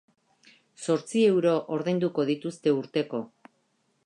Zortzi euro ordainduko dituzte urteko.